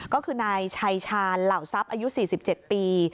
ก็คือนายชัยชาญเหล่าทรัพย์อายุ๔๗ปี